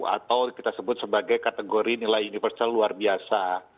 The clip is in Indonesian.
atau kita sebut sebagai kategori nilai universal luar biasa